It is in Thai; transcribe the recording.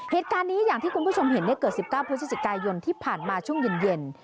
เหตุการณ์นี้อย่างที่คุณผู้ชมเห็นเกิด๑๙พฤศจิกายนที่ผ่านมาช่วงเย็น